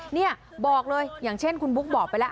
เนี่ยบอกเลยอย่างเช่นคุณบุ๊คบอกไปแล้ว